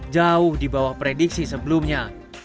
jauh dibawah prediksi sebelumnya